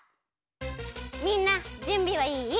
みんなじゅんびはいい？